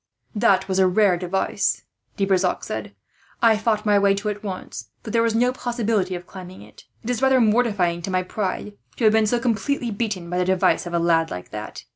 "That was a rare device," De Brissac said. "I fought my way to it, once, but there was no possibility of climbing it. It is rather mortifying to my pride, to have been so completely beaten by the device of a lad like that.